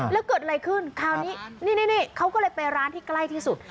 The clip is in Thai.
แล้วเกิดอะไรขึ้นคราวนี้นี่เขาก็เลยไปร้านที่ใกล้ที่สุด